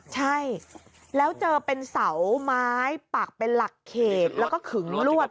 ใช่แล้วเจอเป็นเสาไม้ปักเป็นหลักเขตแล้วก็ขึงลวด